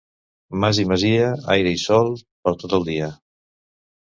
Mas i masia, aire i sol per tot el dia.